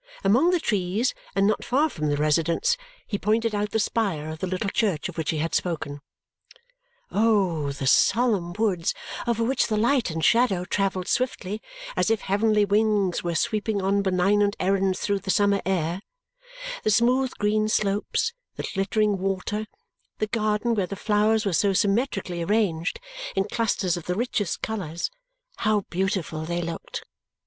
Among the trees and not far from the residence he pointed out the spire of the little church of which he had spoken. Oh, the solemn woods over which the light and shadow travelled swiftly, as if heavenly wings were sweeping on benignant errands through the summer air; the smooth green slopes, the glittering water, the garden where the flowers were so symmetrically arranged in clusters of the richest colours, how beautiful they looked!